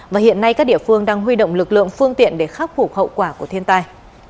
và hiện nay các địa phương đang huy động lực lượng phương tiện để khắc phục hậu quả của thiên tai